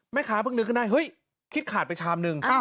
เพิ่งนึกขึ้นได้เฮ้ยคิดขาดไปชามนึง